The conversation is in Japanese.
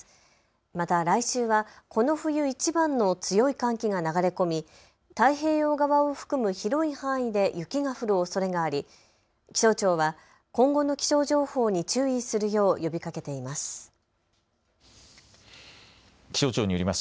また来週はこの冬いちばんの強い寒気が流れ込み太平洋側を含む広い範囲で雪が降るおそれがあり気象庁は今後の気象情報に注意するよう呼びかけています。